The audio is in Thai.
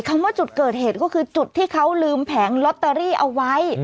คำว่าจุดเกิดเหตุก็คือจุดที่เขาลืมแผงลอตเตอรี่เอาไว้